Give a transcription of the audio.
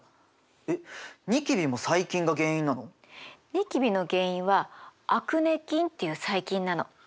ニキビの原因はアクネ菌っていう細菌なの。